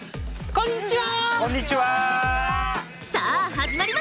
こんにちは！